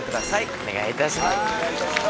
お願いいたします。